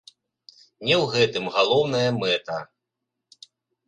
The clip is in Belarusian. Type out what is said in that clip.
Не ў гэтым галоўная мэта.